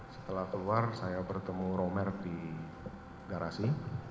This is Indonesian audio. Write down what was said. setelah keluar saya bertemu romer di garasi